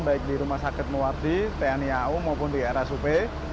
baik di rumah sakit muwati tni au maupun di rsup